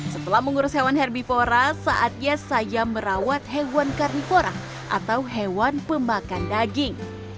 setelah mengurus hewan herbivora saatnya saya merawat hewan karnivora atau hewan pemakan daging